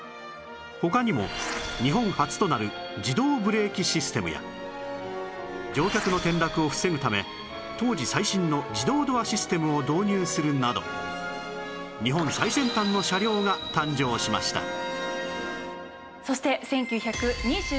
他にも日本初となる自動ブレーキシステムや乗客の転落を防ぐため当時最新の自動ドアシステムを導入するなど日本最先端の車両が誕生しました